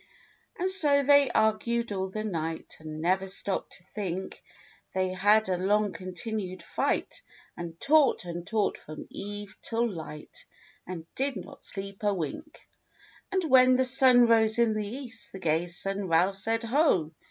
And so they argued all the night And never stopped to think; They had a long continued fight. And talked and talked from eve till light. And did not sleep a wink. And when the sun rose in the East The Gays' son, Ralph, said, "Ho!